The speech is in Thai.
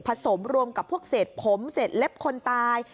สมรวมกับพวกเศษผมเศษเล็บคนตาย